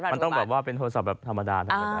มันต้องเป็นโทรศัพท์ธรรมดา